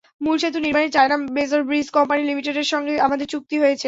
মূল সেতু নির্মাণে চায়না মেজর ব্রিজ কোম্পানি লিমিটেডের সঙ্গে আমাদের চুক্তি হয়েছে।